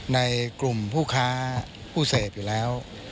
ในกลุ่มผู้ค้าผู้เสพอยู่แล้ว